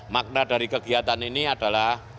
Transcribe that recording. makna dari kegiatan ini adalah